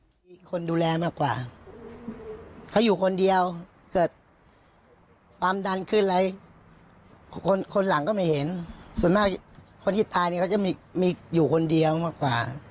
คนที่ตายเนี่ยเค้าจะมีอยู่คนเดียวมากกว่า